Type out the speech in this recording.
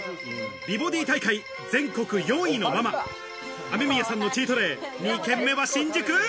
美ボディー大会全国４位のママ、雨宮さんのチートデイ、２軒目は新宿。